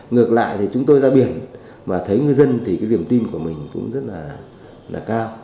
ngược lại thì chúng tôi ra biển mà thấy ngư dân thì cái niềm tin của mình cũng rất là cao